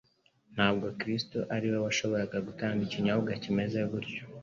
Ntabwo Kristo ari we wari gushobora gutanga ikinyobwa kimeze gityo.